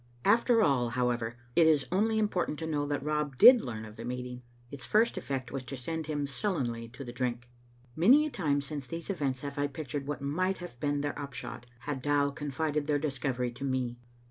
After all, however, it is only important to know that Rob did learn of the meeting. Its first effect was to send him sullenly to the drink. Many a time since these events have I pictured what might have been their upshot had Dow confided their discovery to me.